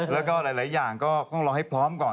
แล้วก็หลายอย่างก็ต้องรอให้พร้อมก่อน